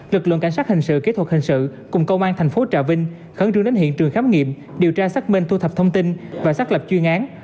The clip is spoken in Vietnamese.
lực lượng cảnh sát hình sự kỹ thuật hình sự cùng công an thành phố trà vinh khẩn trương đến hiện trường khám nghiệm điều tra xác minh thu thập thông tin và xác lập chuyên án